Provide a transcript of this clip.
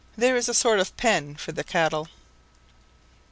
There is a sort of pen for the cattle.